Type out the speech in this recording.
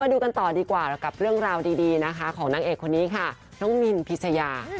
มาดูกันต่อดีกว่าแล้วกับเรื่องราวดีของนางเอกคนนี้น้องมิลพิชยา